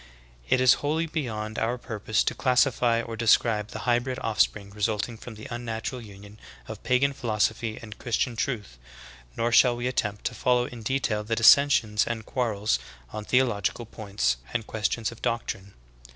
14. It is wholly beyond our purpose to classify or de scribe the hybrid offspring resulting from the unnatural union of pagan philosophy and Christian truth; nor shall we attempt to follow in detail the dissensions and quarrels on theological points and questions of doctrine.